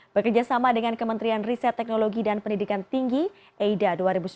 bekerjasama dengan kementerian riset teknologi dan pendidikan tinggi aida dua ribu sembilan belas